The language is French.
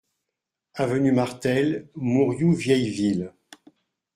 Avenue Martel, Mourioux-Vieilleville